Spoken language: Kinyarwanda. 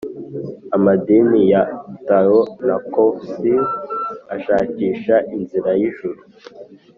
amadini ya tao na confucius ashakisha inzira y’ijuru